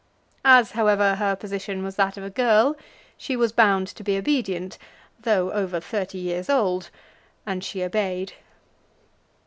As, however, her position was that of a girl, she was bound to be obedient, though over thirty years old, and she obeyed.